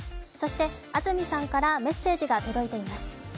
安住さんからメッセージが届いています。